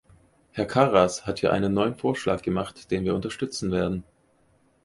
Herr Karas hat hier einen neuen Vorschlag gemacht, den wir unterstützen werden.